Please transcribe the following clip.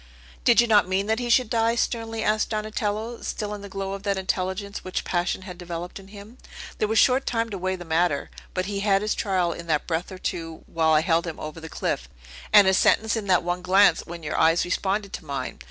"Did you not mean that he should die?" sternly asked Donatello, still in the glow of that intelligence which passion had developed in him. "There was short time to weigh the matter; but he had his trial in that breath or two while I held him over the cliff, and his sentence in that one glance, when your eyes responded to mine!